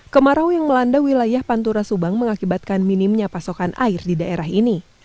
kemarau yang melanda wilayah pantura subang mengakibatkan minimnya pasokan air di daerah ini